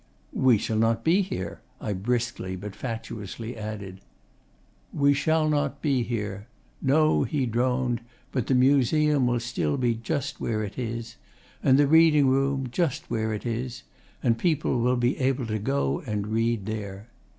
'We shall not be here!' I briskly but fatuously added. 'We shall not be here. No,' he droned, 'but the Museum will still be just where it is. And the reading room, just where it is. And people will be able to go and read there.